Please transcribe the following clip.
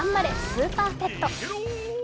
スーパーペット」。